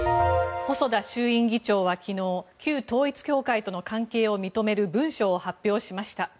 細田衆院議長は昨日旧統一教会との関係を認める文書を発表しました。